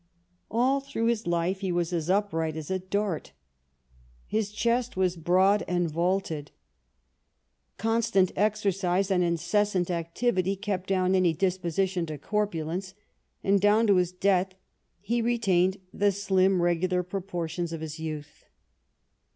All through his life he was as upright as a dart. His chest was broad and vaulted. Constant exercise and incessant activity kept down any disposition to corpulence, and down to his death he retained the slim regular proportions of his youth.